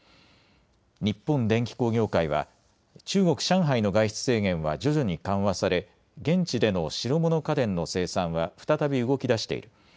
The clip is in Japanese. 日本電機工業会は中国・上海の外出制限は徐々に緩和され現地での白物家電の生産は再び動きだしている。